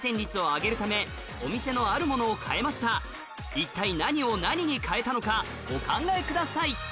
一体何を何に変えたのかお考えください